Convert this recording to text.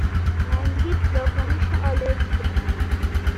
من یک واکنش آلرژی دارم.